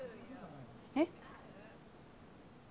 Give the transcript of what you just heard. えっ？